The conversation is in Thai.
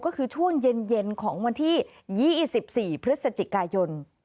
ก็คือช่วงเย็นของวันที่๒๔พฤศจิกายน